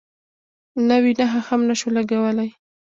نوې نښه هم نه شو لګولی.